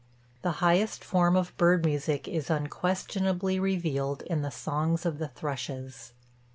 The highest form of bird music is unquestionably revealed in the songs of the thrushes.